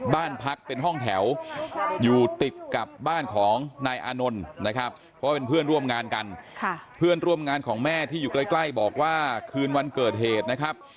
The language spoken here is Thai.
บ้านพักเป็นห้องแถวอยู่ติดกับบ้านของนายอานนท์นะครับเพราะว่าเป็นเพื่อนร่วมงานกันเพื่อนร่วมงานของแม่ที่อยู่ใกล้บอกว่าคืนวันเกิดเหตุนะครับ